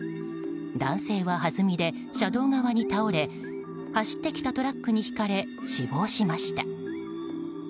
男性ははずみで車道側に倒れ走ってきたトラックにひかれ死亡しました。